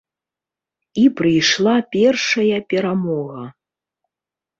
І прыйшла першая перамога.